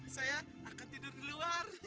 saya akan tidur di luar